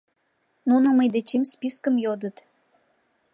Нуно мый дечем спискым йодыт.